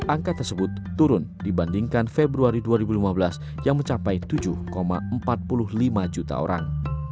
angka tersebut turun dibandingkan februari dua ribu lima belas yang mencapai tujuh empat puluh lima juta orang